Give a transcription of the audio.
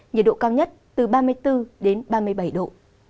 nhiệt độ cao nhất từ ba mươi bốn ba mươi bảy độ